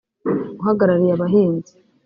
uhagarariye abahinzi